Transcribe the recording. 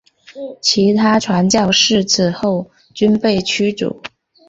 其他传教士此后均被驱逐。